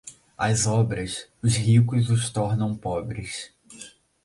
As obras, os ricos os tornam pobres.